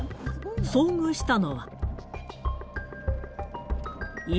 遭遇したのは。